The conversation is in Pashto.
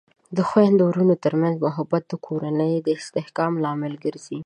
د خویندو او ورونو ترمنځ محبت د کورنۍ د استحکام لامل ګرځي.